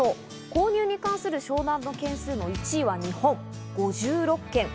購入に関する商談の件数は１位は日本、５６件。